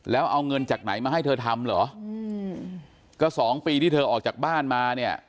แล้วเอาเงินจากไหนมาให้เธอทำเหรออืมก็สองปีที่เธอออกจากบ้านมาเนี่ย